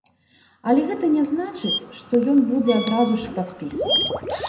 Але гэта не значыць, што ён будзе адразу ж і падпісаны.